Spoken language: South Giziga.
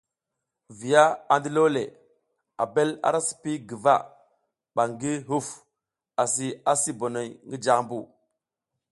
Viya a ndilole, Abel ara sii guva ɓa ngi huf asi asi bonoy jaʼmbu.